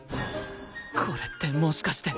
これってもしかして